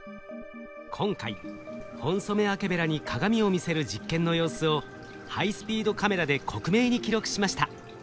今回ホンソメワケベラに鏡を見せる実験の様子をハイスピードカメラで克明に記録しました。